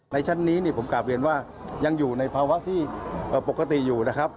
ชั้นนี้ผมกลับเรียนว่ายังอยู่ในภาวะที่ปกติอยู่นะครับ